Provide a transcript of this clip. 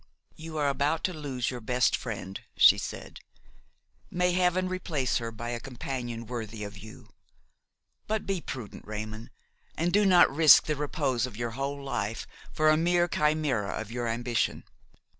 "You are about to lose your best friend," she said; "may Heaven replace her by a companion worthy of you! But be prudent, Raymon, and do not risk the repose of your whole life for a mere chimera of your ambition.